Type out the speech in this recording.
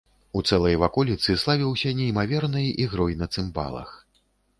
У цэлай ваколіцы славіўся неймавернай ігрой на цымбалах.